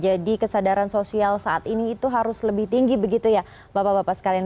jadi kesadaran sosial saat ini itu harus lebih tinggi begitu ya bapak bapak sekalian